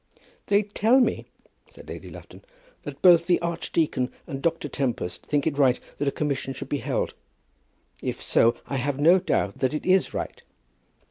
"They tell me," said Lady Lufton, "that both the archdeacon and Dr. Tempest think it right that a commission should be held. If so, I have no doubt that it is right."